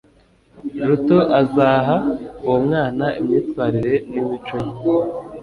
ruto azaha uwo mwana imyitwarire nimico ye